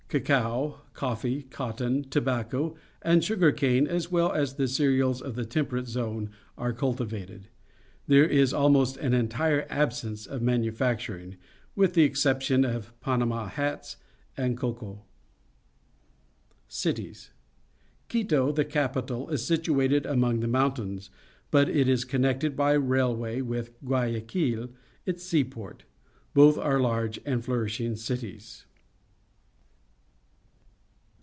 Cacao, coffee, cotton, tobacco, and sugar cane, as well as the cereals of the Temperate Zone, are cultivated. There is almost an entire absence of manufacturing, mth the exception of Panama hats and cocoa. Cities. — Quito, the capital, is situated among the mountains, but it is connected by railway with Guayaquil, its seaport. Both are large and flourishing cities.